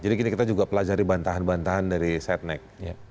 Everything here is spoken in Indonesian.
jadi kita juga pelajari bantahan bantahan dari setnek